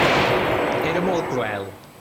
Era molt cruel!